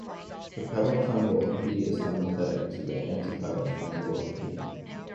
The pedal triangle of "P" is homothetic to the antipedal triangle of "P".